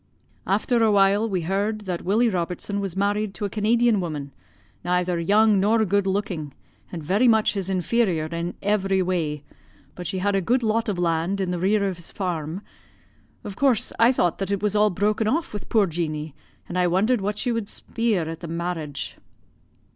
"After a while, we heard that Willie Robertson was married to a Canadian woman neither young nor good looking, and very much his inferior in every way, but she had a good lot of land in the rear of his farm. Of course I thought that it was all broken off with puir Jeanie, and I wondered what she would spier at the marriage.